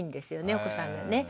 お子さんがね。